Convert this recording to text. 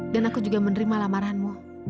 dan aku mau berhenti selalu menerima lamaranmu